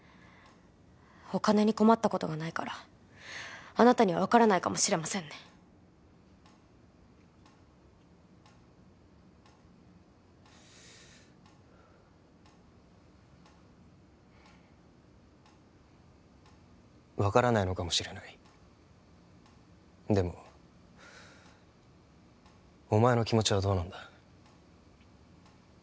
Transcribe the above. お金に困ったことがないからあなたにはわからないかもしれませんねわからないのかもしれないでもお前の気持ちはどうなんだ？